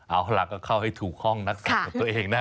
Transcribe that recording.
เอาล่ะก็เข้าให้ถูกห้องนักสับกับตัวเองนะ